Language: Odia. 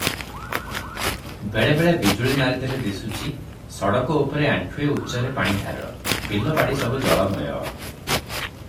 ବେଳେବେଳେ ବିଜୁଳି ମାରିଦେଲେ ଦିଶୁଚି- ସଡ଼କ ଉପରେ ଆଣ୍ଠୁଏ ଉଚ୍ଚରେ ପାଣିଧାର, ବିଲ ବାଡ଼ି ସବୁ ଜଳମୟ ।